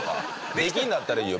できんだったらいいよ